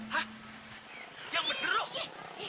yaudah mendingan balikin